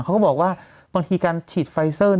เขาก็บอกว่าบางทีการฉีดไฟเซอร์